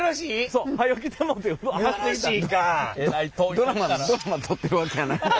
ドラマ撮ってるわけやないねん。